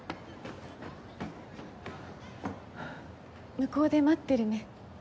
向こうで待ってるね。